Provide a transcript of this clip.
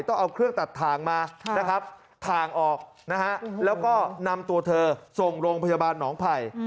ต้องเอาเครื่องตัดทางมาทางออกแล้วก็นำตัวเธอส่งโรงพยาบาลหนองไผ่